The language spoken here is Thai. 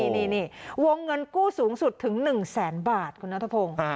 นี่วงเงินกู้สูงสุดถึง๑แสนบาทคุณนัทพงศ์